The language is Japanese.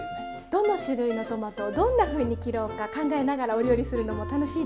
どの種類のトマトをどんなふうに切ろうか考えながらお料理するのも楽しいですよね。